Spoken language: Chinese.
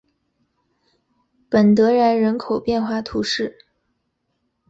本德然人口变化图示